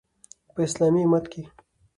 په اسلامي امت کې